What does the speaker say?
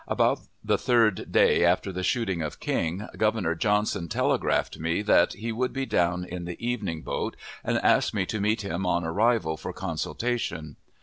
About the third day after the shooting of King, Governor Johnson telegraphed me that he would be down in the evening boat, and asked me to meet him on arrival for consultation.